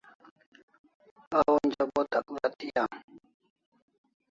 A onja bo takla thi am